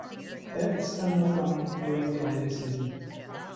Thefts are more common during the holiday season.